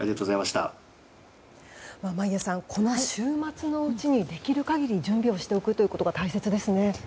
眞家さんこの週末のうちにできる限り準備をしておくことが大切ですね。